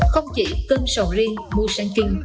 không chỉ cơm sầu riêng mua sanh kinh